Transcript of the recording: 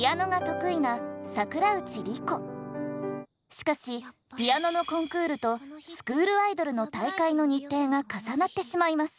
しかしピアノのコンクールとスクールアイドルの大会の日程が重なってしまいます。